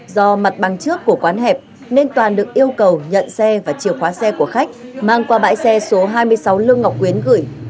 do mặt bằng trước của quán hẹp nên toàn được yêu cầu nhận xe và chìa khóa xe của khách mang qua bãi xe số hai mươi sáu lương ngọc quyến gửi